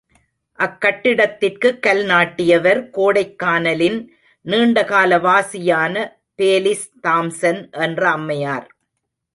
அக் கட்டிடத்திற்குக் கல் நாட்டியவர், கோடைக்கானலின் நீண்டகால வாசியான பேலிஸ் தாம்சன் என்ற அம்மையார்.